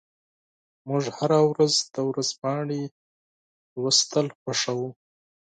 موږ هره ورځ د ورځپاڼې لوستل خوښوو.